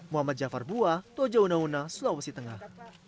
muhammad jafar bua toja unauna sulawesi tengah